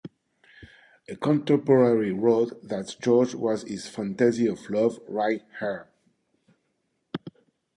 A contemporary wrote that George was in fantasy of love wythe hir.